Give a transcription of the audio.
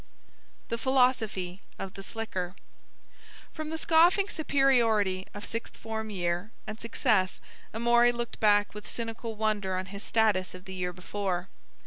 THE PHILOSOPHY OF THE SLICKER From the scoffing superiority of sixth form year and success Amory looked back with cynical wonder on his status of the year before.